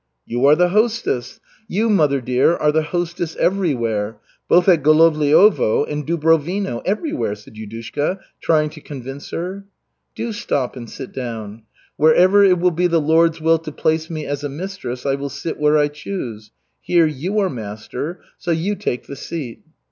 "You are the hostess. You, mother dear, are the hostess everywhere, both at Golovliovo and Dubrovino, everywhere," said Yudushka, trying to convince her. "Do stop and sit down. Wherever it will be the Lord's will to place me as a mistress, I will sit where I choose. Here you are master so you take the seat."